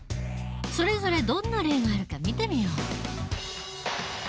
それぞれどんな例があるか見てみよう。